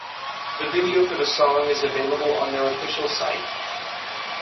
The video for the song is available on their official site.